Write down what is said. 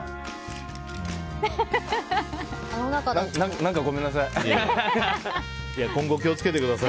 何かごめんなさい。